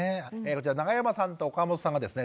こちら永山さんと岡本さんがですね